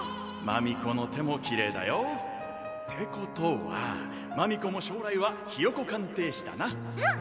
真美子の手もキレイだよ。ってことは真美子も将来はひよこ鑑定士だなうん。